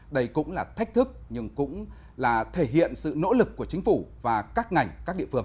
đây cũng là thách thức nhưng cũng là thể hiện sự nỗ lực của chính phủ và các ngành các địa phương